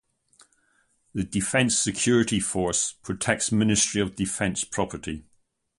The Defence Security Force protects Ministry of Defence property.